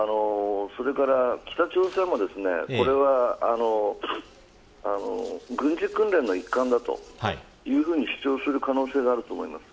北朝鮮も軍事訓練の一環だというふうに主張する可能性があると思います。